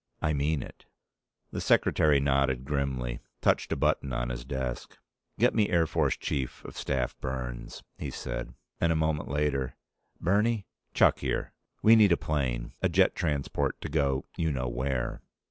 "I mean it." The Secretary nodded grimly, touched a button on his desk. "Get me Air Force Chief of Staff Burns," he said, and, a moment later: "Bernie? Chuck here. We need a plane. A jet transport to go you know where.